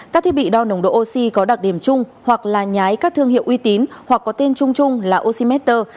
các thiết bị đo nồng độ oxy có đặc điểm chung hoặc là nhái các thương hiệu uy tín hoặc có tên chung chung là oxymeter